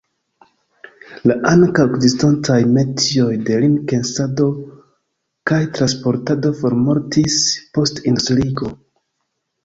La ankaŭ ekzistantaj metioj de lin-teksado kaj transportado formortis post industriigo.